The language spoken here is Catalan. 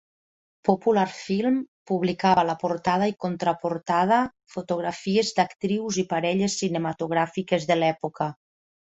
Popular Film publicava a la portada i contraportada, fotografies d'actrius i parelles cinematogràfiques de l'època.